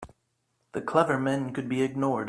The clever men could be ignored.